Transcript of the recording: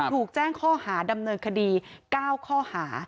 ถูกแจ้งข้อหาดำเนินคดี๙ข้อหา